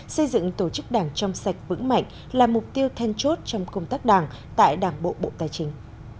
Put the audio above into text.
xây dựng tổ chức đảng trong sạch vững mạnh là mục tiêu then chốt trong công tác đảng tại đảng bộ bộ tài chính